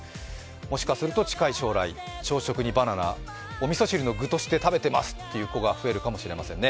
もしかすると近い将来、朝食にバナナ、おみそ汁の具として食べていますという子が増えるかもしれませんね。